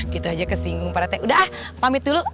gitu aja kesinggung pak rt udah pamit dulu ayo